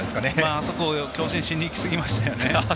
あそこ、強振しにいき過ぎましたよね。